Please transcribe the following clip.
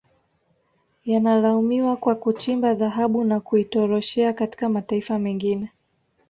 Yanalaumiwa kwa kuchimba dhahabu na kuitoroshea katika mataifa mengine